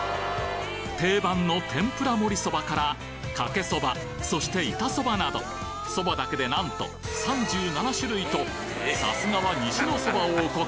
定番の天ぷらもりそばからかけそばそして板そばなどそばだけでなんと３７種類とさすがは西のそば王国！